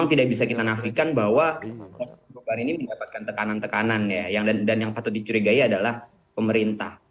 setelah ini kita minta tanggapan